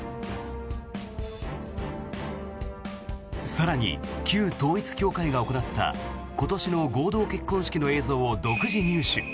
更に、旧統一教会が行った今年の合同結婚式の映像を独自入手。